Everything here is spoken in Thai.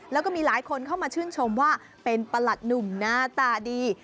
แล้วก็มีหลายคนเข้ามาชื่นชมว่าเป็นประหลัดหนุ่มหน้าตาดี